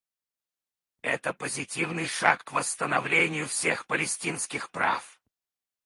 Это позитивный шаг к восстановлению всех палестинских прав.